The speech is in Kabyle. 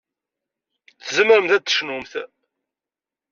Tzemremt ad tecnumt.